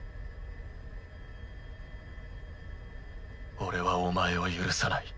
俺はお前を許さない。